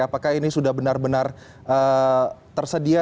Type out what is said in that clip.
apakah ini sudah benar benar tersedia